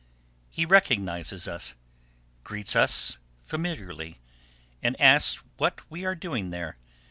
He recognises us, greets us familiarly, and asks what we are doing there.